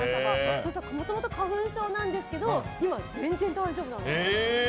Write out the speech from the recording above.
私もともと花粉症なんですけど今、全然大丈夫なんです。